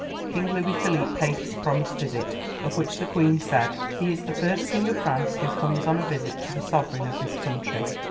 ] In 1844 King Louis Philippe paid his promised visit, of which the Queen said, "He is the first King of France who comes on a visit to the Sovereign of this country.